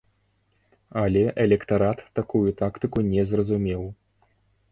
Але электарат такую тактыку не зразумеў.